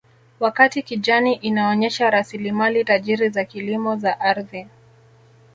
Wakati kijani inaonyesha rasilimali tajiri za kilimo za ardhi